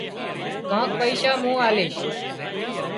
ڪانڪ پئيشا مُون آليش